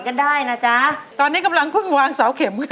กันได้นะจ๊ะตอนนี้กำลังเพิ่งวางเสาเข็มค่ะ